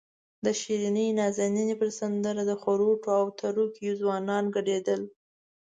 د شیرینې نازنینې پر سندره د خروټو او تره کیو ځوانان ګډېدل.